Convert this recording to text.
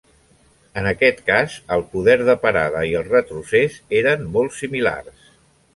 En aquest cas, el poder de parada i el retrocés eren molt similars.